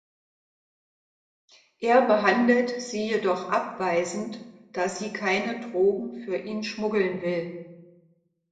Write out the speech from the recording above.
Er behandelt sie jedoch abweisend, da sie keine Drogen für ihn schmuggeln will.